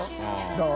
どう？